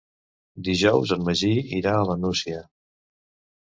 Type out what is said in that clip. Dijous en Magí irà a la Nucia.